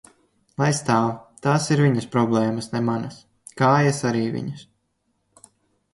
Lai stāv, tās ir viņas problēmas, ne manas, kājas arī viņas.